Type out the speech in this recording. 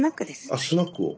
あスナックを。